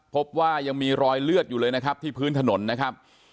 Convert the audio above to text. พบว่ายังมีรอยเลือดอยู่เลยนะครับที่พื้นถนนนะครับ